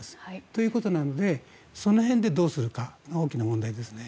ということなので、その辺でどうするかが大きな問題ですね。